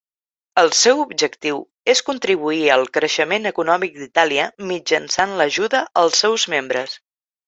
El seu objectiu és contribuir al creixement econòmic d'Itàlia mitjançant l'ajuda als seus membres.